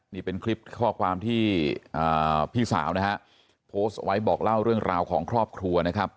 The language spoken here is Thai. นี่เป็นคลิปข้อความที่พี่สาวนะฮะโพสต์ไว้บอกเล่าเรื่องราวของครอบครัวนะครับ